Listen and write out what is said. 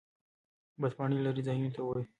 باد پاڼې لرې ځایونو ته وړي.